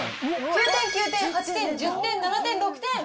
９点９点８点１０点７点６点！